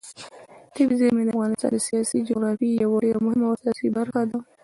طبیعي زیرمې د افغانستان د سیاسي جغرافیې یوه ډېره مهمه او اساسي برخه ده.